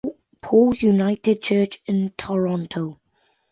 Paul's United Church in Toronto.